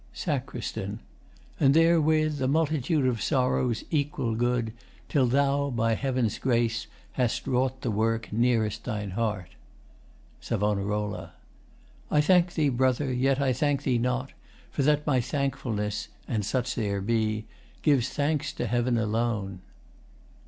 SACR. And therewith A multitude of morrows equal good Till thou, by Heaven's grace, hast wrought the work Nearest thine heart. SAV. I thank thee, Brother, yet I thank thee not, for that my thankfulness (An such there be) gives thanks to Heaven alone.